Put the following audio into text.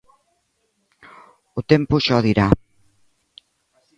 O tempo xa o dirá.